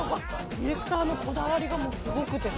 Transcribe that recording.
ディレクターのこだわりがもうスゴくて。